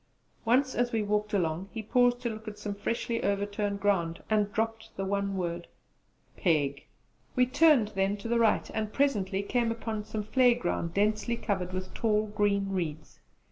Once, as we walked along, he paused to look at some freshly overturned ground, and dropped the one word, 'Pig.' We turned then to the right and presently came upon some vlei ground densely covered with tall green reeds.